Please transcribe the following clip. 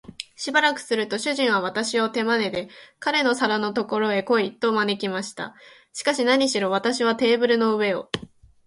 しばらくすると、主人は私を手まねで、彼の皿のところへ来い、と招きました。しかし、なにしろ私はテーブルの上を